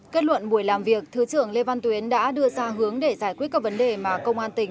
kết luận buổi làm việc thứ trưởng lê văn tuyến đã đưa ra hướng để giải quyết các vấn đề mà công an tỉnh